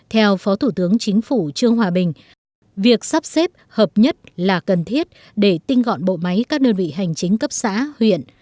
theo phó thủ tướng chính phủ trương hòa bình việc sắp xếp hợp nhất là cần thiết để tinh gọn bộ máy các đơn vị hành chính cấp xã huyện